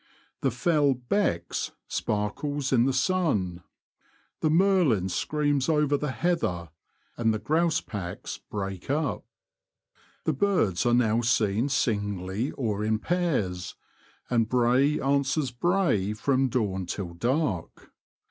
The fell " becks " sparkles in the sun ; the merlin screams over the heather, and the grouse packs break up. 114 "The Confessions of a Poacher, The birds are now seen singly or in pairs, and brae answers brae from dawn till dark.